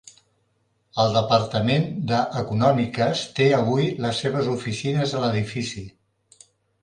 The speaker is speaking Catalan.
El Departament de Econòmiques té avui les seves oficines a l'edifici.